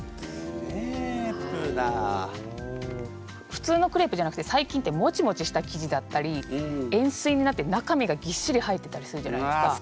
普通のクレープじゃなくて最近ってもちもちした生地だったり円すいになって中身がぎっしり入ってたりするじゃないですか。